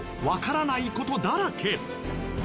分からないことだらけ。